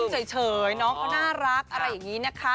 เฉยน้องเขาน่ารักอะไรอย่างนี้นะคะ